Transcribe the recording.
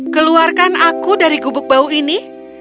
keluarkan aku dari gubuk bau ini